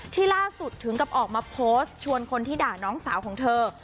ล่าสุดถึงกับออกมาโพสต์ชวนคนที่ด่าน้องสาวของเธอ